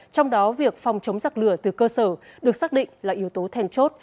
trong đó việc phòng chống giặc lửa từ cơ sở được xác định là yếu tố thèn chốt